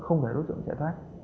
không để đối tượng chạy thoát